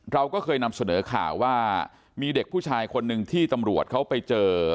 เราก็เคยนำเสนอข่าวว่ามีเด็กผู้ชายคนหนึ่งที่ตำรวจเขาไปเจอ